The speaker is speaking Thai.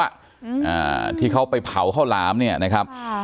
อ่าที่เขาไปเผาข้าวหลามเนี้ยนะครับค่ะ